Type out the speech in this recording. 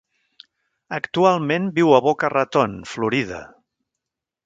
Actualment viu a Boca Raton, Florida.